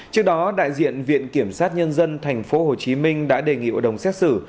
trước đó đại diện viện kiểm soát nhân dân tp hcm đã đề nghị ủa đồng xét xử